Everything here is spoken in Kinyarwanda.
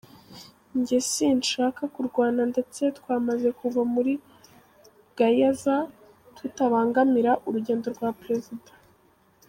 njye sinshaska kurwana ndetse twamaze kuva muri Gayaza tutabangamira urugendo rwa perezida.